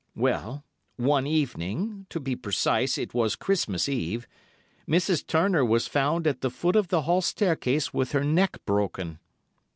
"'Well, one evening—to be precise, it was Christmas Eve—Mrs. Turner was found at the foot of the hall staircase with her neck broken.